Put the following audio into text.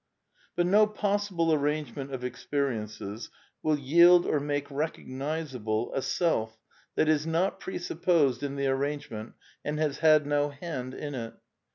But no possible arrangement of experiences will yield or make recognizable a self that is not presupposed in the arrangement and has had no hand in it.